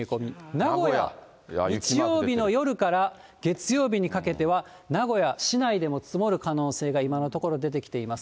名古屋、日曜日の夜から月曜日にかけては名古屋、市内でも積もる可能性が今のところ、出てきています。